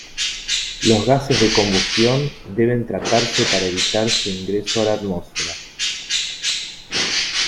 Los gases de combustión deben tratarse para evitar su ingreso a la atmósfera.